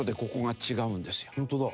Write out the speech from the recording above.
ホントだ。